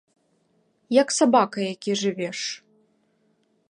Як сабака які жывеш.